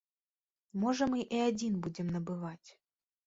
Можа мы і адзін будзем набываць.